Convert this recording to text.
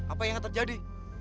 apa yang akan terjadi